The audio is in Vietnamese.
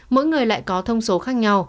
mỗi người lại có thông số khác nhau